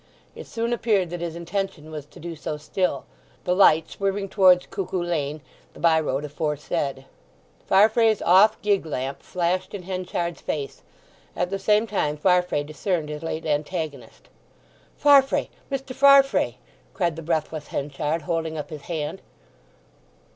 It soon appeared that his intention was to do so still, the light swerving towards Cuckoo Lane, the by road aforesaid. Farfrae's off gig lamp flashed in Henchard's face. At the same time Farfrae discerned his late antagonist. "Farfrae—Mr. Farfrae!" cried the breathless Henchard, holding up his hand.